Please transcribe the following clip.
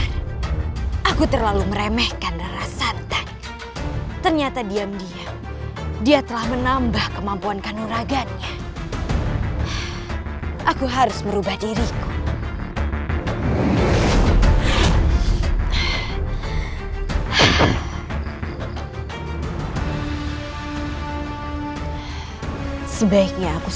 kau turunkan keatiranmu langsung atau melupakan aku